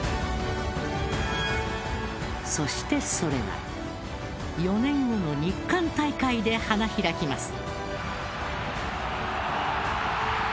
そして、それが４年後の日韓大会で花開きます。